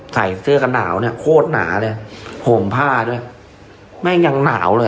ใส่เสื้อกันหนาวเนี่ยโคตรหนาเลยห่มผ้าด้วยแม่งยังหนาวเลย